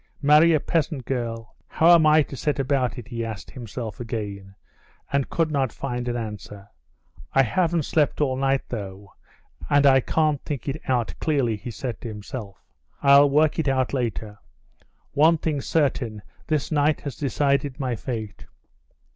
Marry a peasant girl? How am I to set about it?" he asked himself again, and could not find an answer. "I haven't slept all night, though, and I can't think it out clearly," he said to himself. "I'll work it out later. One thing's certain, this night has decided my fate.